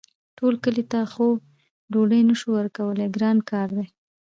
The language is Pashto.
ټول کلي ته خو ډوډۍ نه شو ورکولی ګران کار دی.